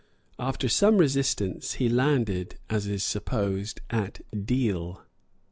After some resistance, he landed, as is supposed, at Deal, [Anno ante, C.